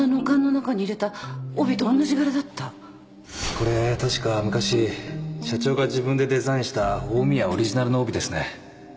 これ確か昔社長が自分でデザインした近江屋オリジナルの帯ですね